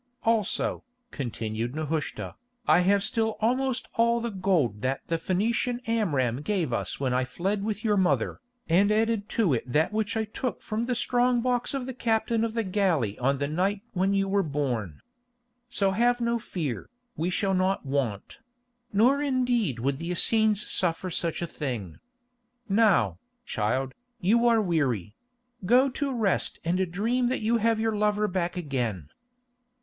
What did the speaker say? "Also," continued Nehushta, "I have still almost all the gold that the Phœnician Amram gave us when I fled with your mother, and added to it that which I took from the strong box of the captain of the galley on the night when you were born. So have no fear, we shall not want; nor indeed would the Essenes suffer such a thing. Now, child, you are weary; go to rest and dream that you have your lover back again."